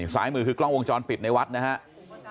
ซ้ายมือคือกล้องวงจรปิดในวัดนะครับ